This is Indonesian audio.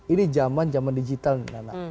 ini zaman zaman digital nih nana